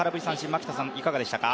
牧田さん、いかがでしたか？